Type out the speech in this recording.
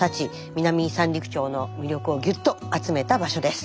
南三陸町の魅力をぎゅっと集めた場所です。